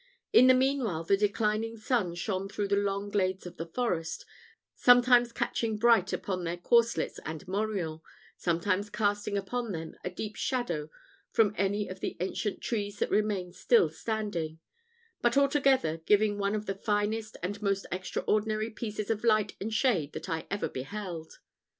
In the meanwhile the declining sun shone through the long glades of the forest, sometimes catching bright upon their corslets and morions, sometimes casting upon them a deep shadow from any of the ancient trees that remained still standing; but, altogether, giving one of the finest and most extraordinary pieces of light and shade that ever I beheld.